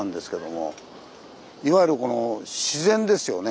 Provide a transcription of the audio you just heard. いわゆる自然ですよね。